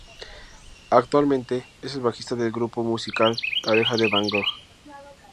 Actualmente es el bajista del grupo musical La Oreja de Van Gogh.